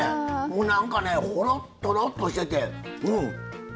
もうなんかねほろっとろっとしててうん！